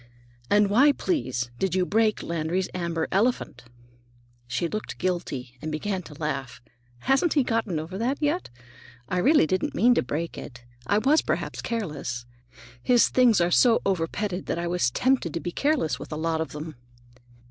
"And why, please, did you break Landry's amber elephant?" She looked guilty and began to laugh. "Hasn't he got over that yet? I didn't really mean to break it. I was perhaps careless. His things are so over petted that I was tempted to be careless with a lot of them."